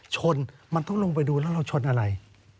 ชนมันต้องลงไปดูแล้วเราชนอะไร